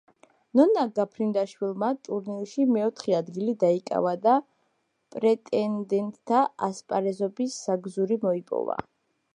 ნონა გაფრინდაშვილმა ტურნირში მეოთხე ადგილი დაიკავა და პრეტენდენტთა ასპარეზობის საგზური მოიპოვა.